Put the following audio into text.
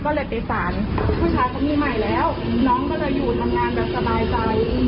ก็เลยไปสารผู้ชายคนนี้ใหม่แล้วน้องก็เลยอยู่ทำงานแบบสบายใจ